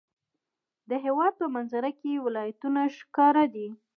د هېواد په منظره کې ولایتونه ښکاره دي.